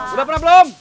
udah pernah belum